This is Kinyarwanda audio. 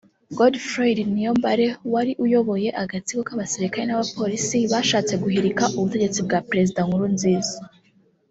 Godefroid Niyombare wari uyoboye agatsiko k’abasirikare n’abapolisi bashatse guhirika ubutegetsi bwa Perezida Nkurunziza